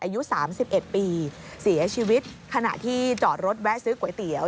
อายุ๓๑ปีเสียชีวิตขณะที่จอดรถแวะซื้อก๋วยเตี๋ยว